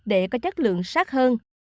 để có chất lượng sát hơn